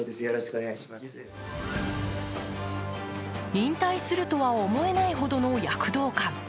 引退するとは思えないほどの躍動感。